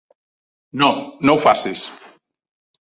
No, no ho facis.